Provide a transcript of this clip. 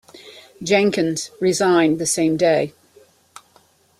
Jenkins resigned the same day.